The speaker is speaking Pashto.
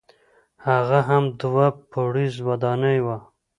هغه هم دوه پوړیزه ودانۍ وه.